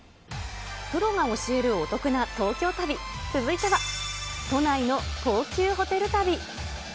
プロが教えるお得な東京旅、続いては、都内の高級ホテル旅。